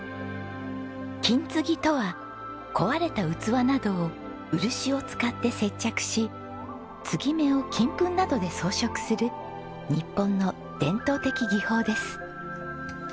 金継ぎとは壊れた器などを漆を使って接着し継ぎ目を金粉などで装飾する日本の伝統的技法です。